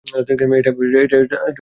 এটা আমার ব্যাগ!